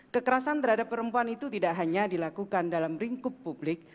kekerasan terhadap perempuan itu tidak hanya dilakukan dalam lingkup publik